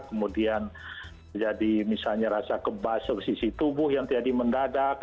kemudian terjadi misalnya rasa kebas di sisi tubuh yang terjadi mendadak